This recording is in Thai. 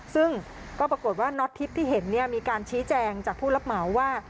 ซึ่งก็ปรากฏว่าน็อตทิพย์ที่เห็นมีการชี้แจงจากผู้รับเหมาว่า